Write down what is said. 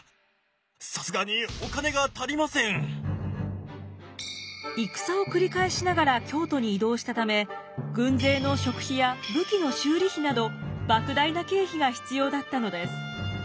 さすがに戦を繰り返しながら京都に移動したため軍勢の食費や武器の修理費など莫大な経費が必要だったのです。